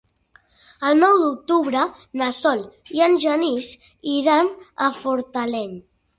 El nou d'octubre na Sol i en Genís iran a Fortaleny.